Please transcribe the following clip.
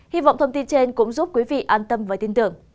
hy vọng thông tin trên cũng giúp quý vị an tâm và tin tưởng